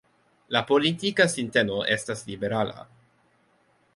La politika sinteno estas liberala.